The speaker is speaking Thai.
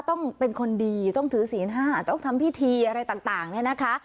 ต้องเป็นคนดีต้องถือศีล๕ต้องทำพิธีอะไรต่างเนี่ยนะคะ